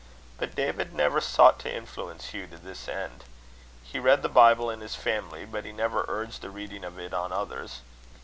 But David never sought to influence Hugh to this end. He read the Bible in his family, but he never urged the reading of it on others.